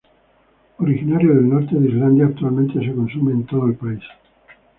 Originario del norte de Islandia, actualmente se consume en todo el país.